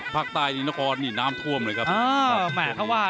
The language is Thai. ภาคใต้นี่น้ำท่วมเลยครับ